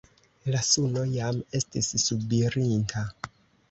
La suno jam estis subirinta.